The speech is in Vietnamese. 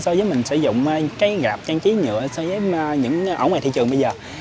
so với mình sử dụng cái gạp trang trí nhựa so với những ở ngoài thị trường bây giờ